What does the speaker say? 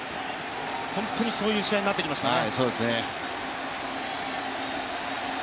本当にそういう試合になってきましたね。